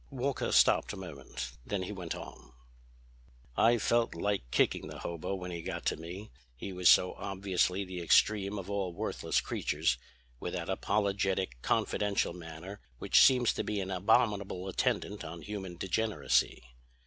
Walker stopped a moment. Then he went on: "I felt like kicking the hobo when he got to me, he was so obviously the extreme of all worthless creatures, with that apologetic, confidential manner which seems to be an abominable attendant on human degeneracy.